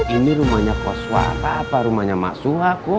ini rumahnya koswata apa rumahnya masuk lah kum